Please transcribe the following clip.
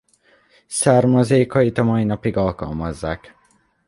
Származékait a mai napig alkalmazzák.